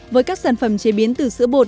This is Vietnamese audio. với các sản phẩm chế biến từ sữa bột